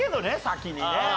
先にね。